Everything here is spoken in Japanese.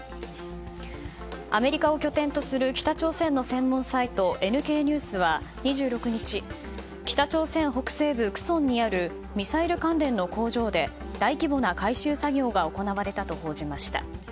アメリカを拠点とする北朝鮮の専門サイトＮＫニュースは２６日北朝鮮北西部クソンにあるミサイル関連の工場で大規模な改修作業が行われたと報じました。